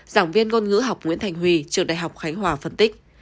giảng viên ngôn ngữ học nguyễn thành huy trường đại học khánh hòa phân tích